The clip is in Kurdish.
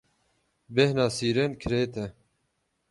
Bêhna sîrên kirêt e.